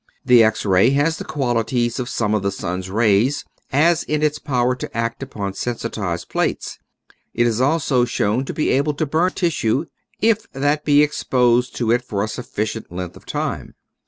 The X ray has the quali ties of some of the sun's rays, as in its power to act upon sensitized plates. It is also shown to be able to burn tissue if that be exposed to it for a sufficient length of time.